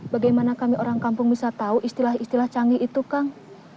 bagaimana kami orang kampung bisa tahu istilah istilah canggih itu kang